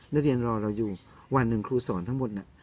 นักเรียนรอเราอยู่วันหนึ่งครูสอนทั้งหมด